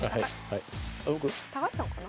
高橋さんかな。